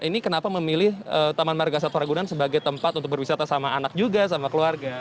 ini kenapa memilih taman marga satwa ragunan sebagai tempat untuk berwisata sama anak juga sama keluarga